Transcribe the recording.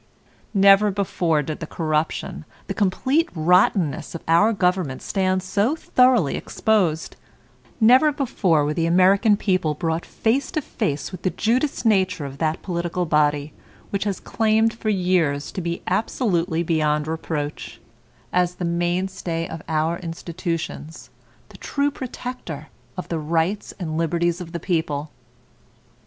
Never before did the corruption, the complete rottenness of our government stand so thoroughly exposed; never before were the American people brought face to face with the Judas nature of that political body, which has claimed for years to be absolutely beyond reproach, as the mainstay of our institutions, the true protector of the rights and liberties of the people.